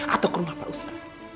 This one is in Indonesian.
atau ke rumah pak ustadz